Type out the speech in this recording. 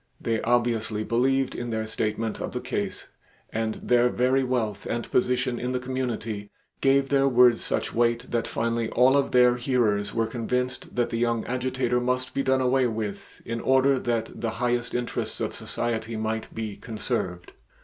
They obviously believed in their statement of the case and their very wealth and position in the community gave their words such weight that finally all of their hearers were convinced that the young Agitator must be done away with in order that the highest interests of society might be conserved.